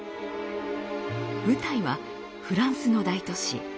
舞台はフランスの大都市